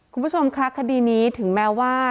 คุณผู้ชมคะคดีนี้ถึงแม้ว่า